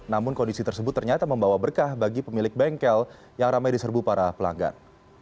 namun kondisi tersebut ternyata membawa berkah bagi pemilik bengkel yang ramai diserbu para pelanggan